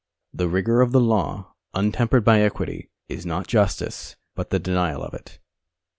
The rigour of the law, untempered by equity, is not justice but the denial of it.